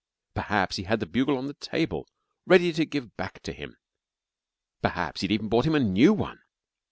Perhaps he had the bugle on the table ready to give back to him. Perhaps he'd even bought him a new one.